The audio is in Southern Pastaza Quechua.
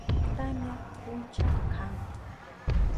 Tamya puncha kan.